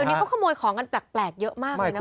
เดี๋ยวนี้เขาขโมยของกันแปลกเยอะมากเลยนะคุณ